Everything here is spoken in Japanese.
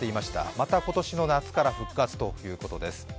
また、今年の夏から復活ということです。